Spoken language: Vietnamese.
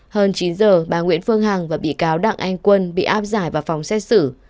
hơn chín giờ bà nguyễn phương hằng và bị cáo đặng anh quân bị áp giải vào phòng xét xử